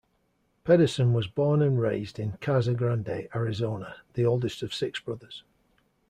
Pederson was born and raised in Casa Grande, Arizona, the oldest of six brothers.